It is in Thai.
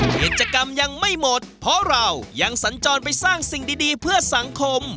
กิจกรรมยังไม่หมดเพราะเรายังสัญจรไปสร้างสิ่งดีเพื่อสังคม